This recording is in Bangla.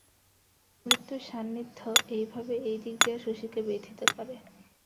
মৃত্যুর সান্নিধ্য এইভাবে এইদিক দিয়া শশীকে ব্যথিত করে।